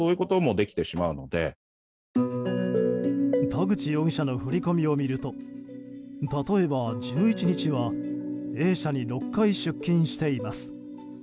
田口容疑者の振り込みを見ると例えば、１１日はＡ社に６回出金しています。